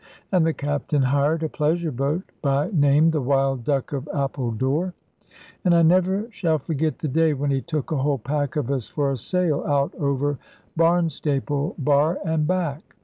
And the Captain hired a pleasure boat, by name the 'Wild Duck of Appledore;' and I never shall forget the day when he took a whole pack of us for a sail out over Barnstaple bar and back.